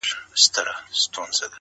• حبطه یې د فېشن ټوله خواري سي ,